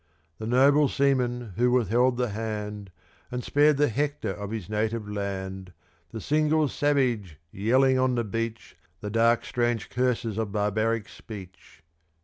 *8* The noble seaman who withheld the hand, And spared the Hector of his native land The single savage, yelling on the beach The dark, strange curses of barbaric speech.